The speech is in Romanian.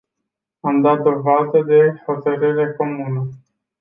Am dat dovadă de hotărâre comună.